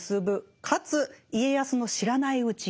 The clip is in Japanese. かつ家康の知らないうちに。